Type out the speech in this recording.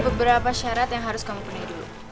tapi ada beberapa syarat yang harus kamu penuhi dulu